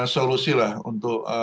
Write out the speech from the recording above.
solusi lah untuk